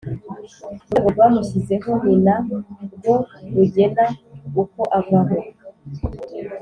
Urwego rwamushyizeho ni na rwo rugena uko avaho